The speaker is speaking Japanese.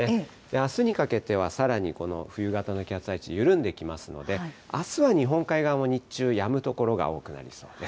あすにかけては、さらにこの冬型の気圧配置、緩んできますので、あすは日本海側も日中、やむ所が多くなりそうです。